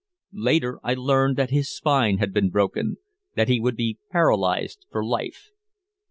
Later I learned that his spine had been broken, that he would be paralyzed for life.